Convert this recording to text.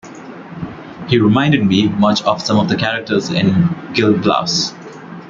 He reminded me much of some of the characters in Gil Blas.